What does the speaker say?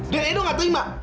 dan edo gak terima